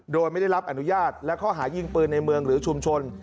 โดยไม่ได้รับอนุญาตและข้อหายิงปืนในเมืองหรือชุมชน